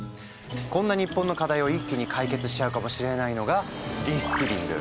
こんな日本の課題を一気に解決しちゃうかもしれないのがリスキリング。